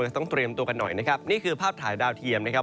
ต้องเตรียมตัวกันหน่อยนะครับนี่คือภาพถ่ายดาวเทียมนะครับ